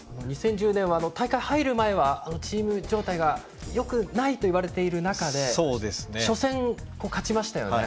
２０１０年は大会に入る前はチーム状態がよくないといわれている中で初戦、勝ちましたよね。